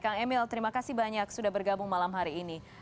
kang emil terima kasih banyak sudah bergabung malam hari ini